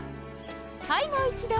はいもう一度。